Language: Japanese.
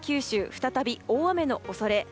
再び大雨の恐れ。